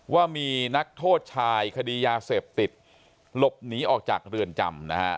ว่ามีนักโทษชายคดียาเสพติดหลบหนีออกจากเรือนจำนะฮะ